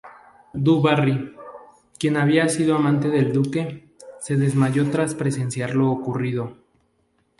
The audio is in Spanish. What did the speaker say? Du Barry, quien había sido amante del duque, se desmayó tras presenciar lo ocurrido.